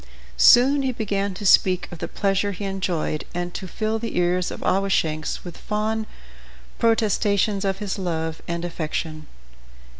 Soon he began to speak of the pleasure he enjoyed, and to fill the ears of Awashanks with fond protestations of his love and affection.